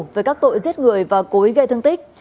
với các tội giết người và cố ý gây thương tích